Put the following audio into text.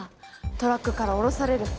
トラックから降ろされるバナナ！